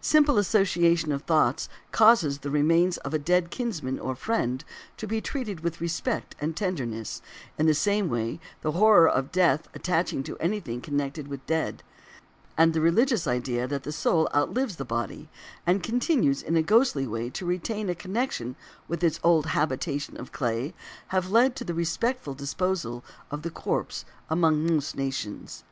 Simple association of thoughts causes the remains of a dead kinsman or friend to be treated with respect and tenderness; in the same way, the horror of death attaching to anything connected with the dead, and the religious idea that the soul outlives the body, and continues in a ghostly way to retain a connection with its old habitation of clay, have led to the respectful disposal of the corpse among most nations.